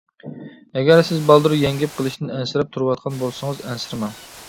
ئەگەر سىز بالدۇر يەڭگىپ قېلىشتىن ئەنسىرەپ تۇرۇۋاتقان بولسىڭىز-ئەنسىرىمەڭ!